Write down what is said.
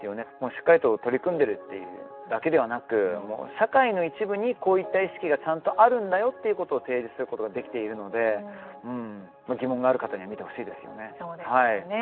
しっかりと取り組んでいるっていうだけはなく社会の一部に、こういった意識がちゃんとあるんだよということを提示することができているので疑問がある方には見てほしいですよね。